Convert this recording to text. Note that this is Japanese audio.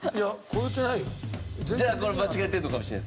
じゃあこれ間違えてるのかもしれないですね。